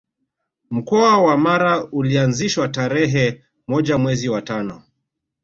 Mkoa wa Mara ulianzishwa tarerhe moja mwezi wa tano